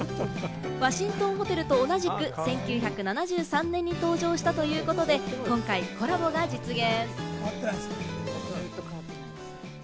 ワシントンホテルと同じく１９７３年に登場したということで、今回コラボが実現！